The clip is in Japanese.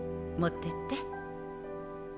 持ってって。